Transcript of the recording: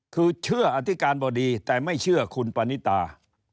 คือเชื่ออธิการบดีแต่ไม่เชื่อคุณปณิตา